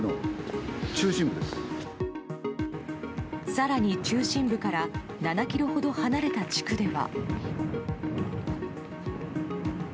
更に中心部から７ｋｍほど離れた地区では。